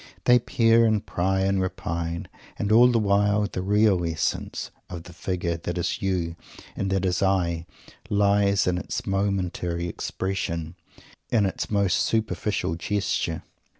They peer and pry and repine, and all the while the real essence of the figure lies in its momentary expression in its most superficial gesture.